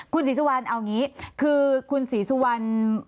คุณศรีสุวรรณเอาอย่างนี้คือคุณศรีสุวรรณ